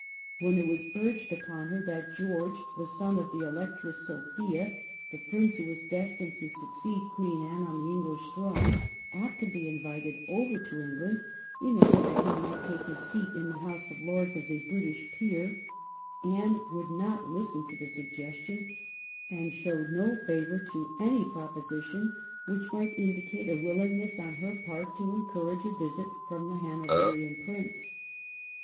When it was urged upon her that George the son of the Electress Sophia, the Prince who was destined to succeed Queen Anne on the EngUsh throne, ought to be invited over to England in order that he might take his seat in the House of Lords as a British peer, Anne would not listen to the suggestion, and showed no favour to any proposition which might indicate a willingness on her part to encourage a visit from the Hanoverian Prince.